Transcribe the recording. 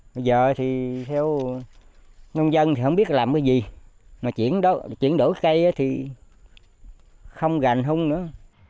bây giờ thì theo nông dân thì không biết làm cái gì mà chuyển đổi cây thì không gành hung nữa